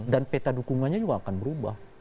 dan peta dukungannya juga akan berubah